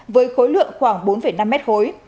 với khối lượng khoảng bốn năm mét khối